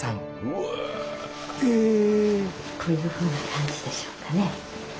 こういうふうな感じでしょうかね。